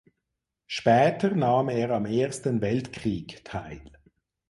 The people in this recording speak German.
Später nahm er am Ersten Weltkrieg teil.